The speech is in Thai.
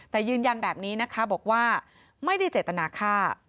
แต่ยืนยันแบบนี้นะคะบอกว่าไม่ได้เจตนาฆ่า